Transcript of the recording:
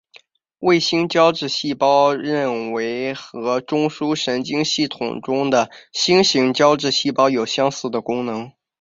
卫星胶质细胞被认为和中枢神经系统中的星型胶质细胞有相似的功能。